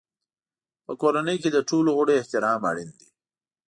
په کورنۍ کې د ټولو غړو احترام اړین دی.